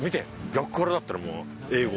逆からだったらもう英語。